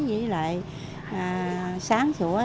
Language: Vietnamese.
với lại sáng sủa